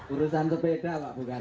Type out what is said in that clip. urusan itu beda pak bukan